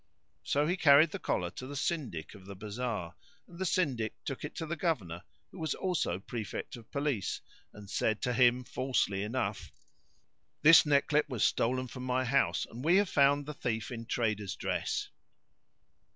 So he carried the collar to the Syndic of the bazar, and the Syndic took it to the Governor who was also prefect of police, and said to him falsely enough, "This necklet was stolen from my house, and we have found the thief in traders' dress."